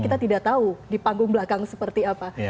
kita tidak tahu di panggung belakang seperti apa